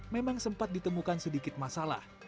memang sempat ditemukan sedikit masalah